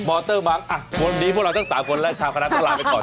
มอเตอร์มังค์บทวนนี้พวกเราต้องสาวคนและชาวคณะต้องลาไปก่อน